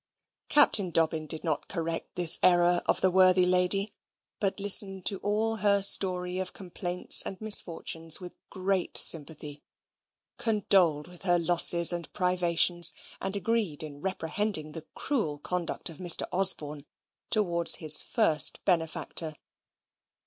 Captain Dobbin did not correct this error of the worthy lady, but listened to all her story of complaints and misfortunes with great sympathy condoled with her losses and privations, and agreed in reprehending the cruel conduct of Mr. Osborne towards his first benefactor.